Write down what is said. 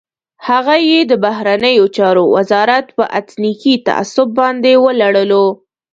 هغه یې د بهرنیو چارو وزارت په اتنیکي تعصب باندې ولړلو.